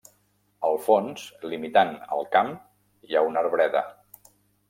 Al fons, limitant el camp hi ha una arbreda.